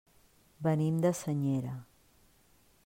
Venim de Senyera.